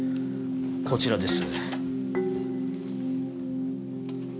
こちらです。